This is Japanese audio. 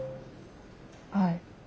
はい。